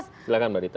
silahkan mbak dita